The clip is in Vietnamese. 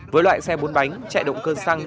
với loại xe bốn bánh chạy động cơn xăng